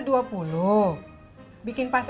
dua puluh bikin pas